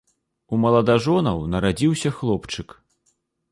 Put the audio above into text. У маладажонаў нарадзіўся хлопчык.